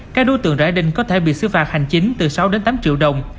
các đối tượng rải đinh có thể bị xứ phạt hành chính từ sáu đến tám triệu đồng